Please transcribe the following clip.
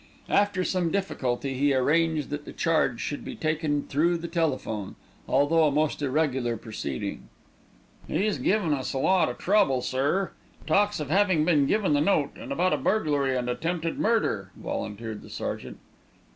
After some difficulty he arranged that the charge should be taken through the telephone, although a most irregular proceeding. "He's givin' us a lot of trouble, sir. Talks of having been given the note, and about a burglary and attempted murder," volunteered the sergeant.